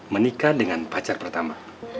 menikah dengan pacar pertama